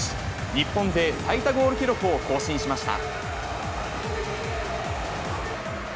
日本勢最多ゴール記録を更新しました。